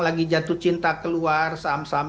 lagi jatuh cinta keluar saham saham